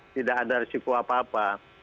tidak ada risiko apa apa